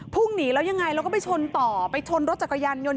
หนีแล้วยังไงแล้วก็ไปชนต่อไปชนรถจักรยานยนต